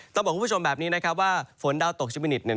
ต้องบอกคุณผู้ชมแบบนี้ว่าฝนดาวตกเจมินิต